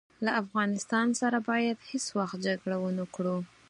له افغانستان سره باید هیڅ وخت جګړه ونه کړو.